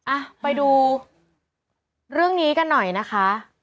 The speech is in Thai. อ่ะไปดูเรื่องนี้กันหน่อยนะคะ